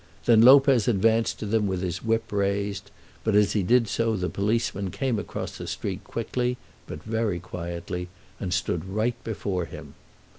Then Lopez advanced to them with his whip raised; but as he did so the policeman came across the street quickly, but very quietly, and stood right before him.